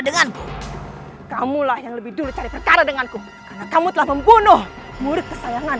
denganmu kamu lah yang lebih dulu terkara denganku kamu telah membunuh murid kesayangan